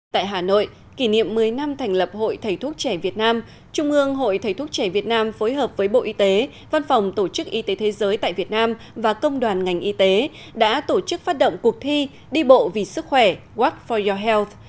tại hà nội kỷ niệm một mươi năm thành lập hội thầy thuốc trẻ việt nam trung ương hội thầy thuốc trẻ việt nam phối hợp với bộ y tế văn phòng tổ chức y tế thế giới tại việt nam và công đoàn ngành y tế đã tổ chức phát động cuộc thi đi bộ vì sức khỏe work for yo health